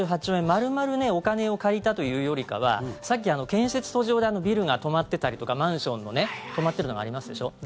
丸々お金を借りたというよりはさっき、建設途中でビルが止まっていたりとかマンションの止まっているのがありますでしょ。